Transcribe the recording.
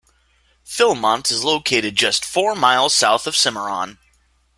Philmont is located just four miles south of Cimarron.